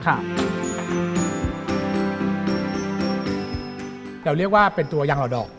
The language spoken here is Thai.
เราเรียกว่าเป็นตัวยางหล่อดอก